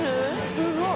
すごい！